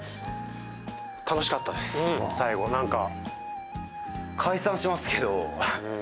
最後何か。